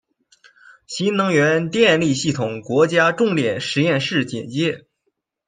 新能源电力系统国家重点实验室简介